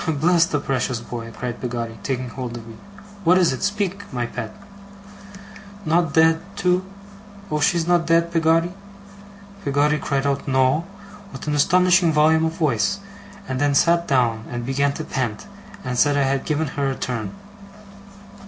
'Bless the precious boy!' cried Peggotty, taking hold of me. 'What is it? Speak, my pet!' 'Not dead, too! Oh, she's not dead, Peggotty?' Peggotty cried out No! with an astonishing volume of voice; and then sat down, and began to pant, and said I had given her a turn.